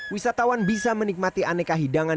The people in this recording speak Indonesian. wisatawan bisa menikmati aneka hidangan